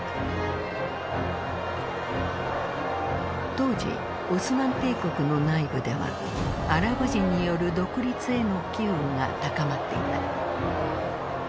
当時オスマン帝国の内部ではアラブ人による独立への機運が高まっていた。